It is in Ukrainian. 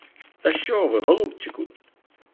Та що ви, голубчику!